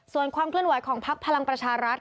ส่วนความเคลื่อนไหวของพักพลังประชารัฐ